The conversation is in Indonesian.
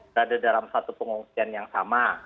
berada dalam satu pengungsian yang sama